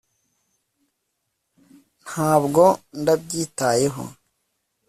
ntabwo ndabyitayeho